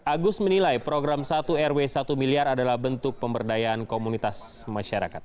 agus menilai program satu rw satu miliar adalah bentuk pemberdayaan komunitas masyarakat